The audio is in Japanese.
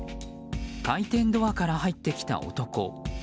回転ドアから入ってきた男。